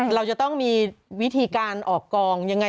เราจะต้องมีวิธีการออกกองยังไง